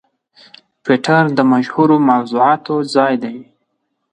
ټویټر د مشهورو موضوعاتو ځای دی.